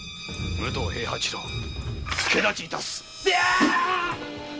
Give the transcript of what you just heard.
武藤平八郎助太刀致す！